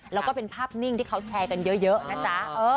และเป็นภาพนิ่งที่เขาแชร์กันเยอะ